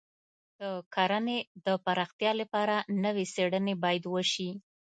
د کرنې د پراختیا لپاره نوې څېړنې باید وشي.